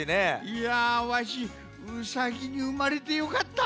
いやわしうさぎにうまれてよかった。